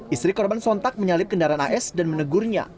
istri korban sontak menyalip kendaraan as dan menegurnya